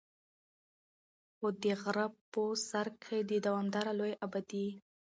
خو د غرۀ پۀ سر کښې د دومره لوے ابادي